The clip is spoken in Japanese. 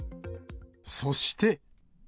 そして。